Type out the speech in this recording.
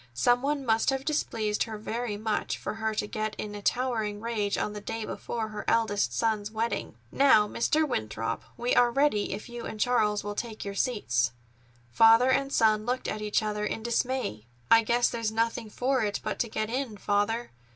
Some one must have displeased her very much, for her to get in a towering rage on the day before her eldest son's wedding. "Now, Mr. Winthrop, we are ready, if you and Charles will take your seats." Father and son looked at each other in dismay. "I guess there's nothing for it but to get in, Father.